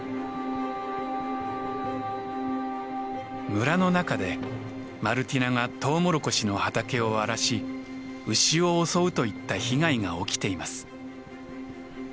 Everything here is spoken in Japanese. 村の中でマルティナがトウモロコシの畑を荒らし牛を襲うといった被害が起きています。